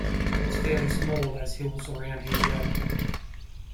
It's fairly small as hills around here go.